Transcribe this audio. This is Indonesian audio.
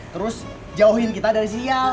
terus jauhin kita dari sinyal